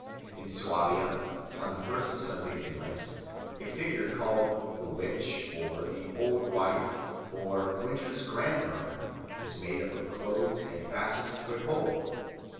In Swabia on the first Sunday in Lent a figure called the "witch" or the "old wife" or "winter's grandmother" is made up of clothes and fastened to a pole.